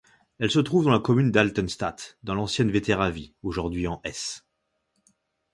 Elle se trouve dans la commune d'Altenstadt, dans l'ancienne Vettéravie, aujourd'hui en Hesse.